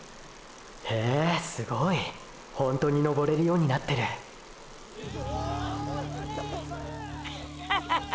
へぇすごいホントに登れるようになってるッハハハ！！